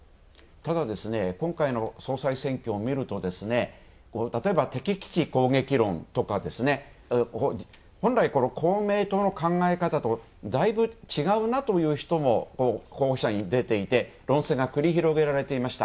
ただ、今回の総裁選挙を見ると例えば、敵基地攻撃論とか、本来、公明党の考え方と、だいぶ違うという方が出ていて論戦が繰り広げられていました。